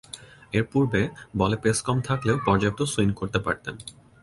এরপূর্বে বলে পেস কম থাকলেও পর্যাপ্ত সুইং করতে পারতেন।